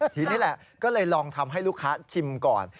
ทีนี้แหละก็เลยลองทำให้ลูกค้าชิมก่อน